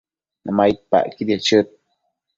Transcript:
maidpacquidiec chëd